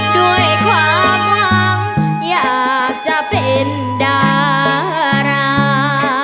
ด้วยความหวังอยากจะเป็นดารา